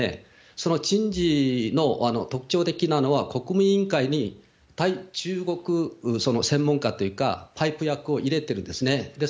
その人事の特徴的なのは、国務委員会に対中国、その専門家というか、パイプ役を入れているんですね。